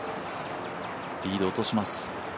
リード、落とします。